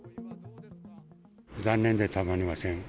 残念でたまりません。